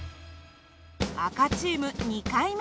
赤チーム２回目。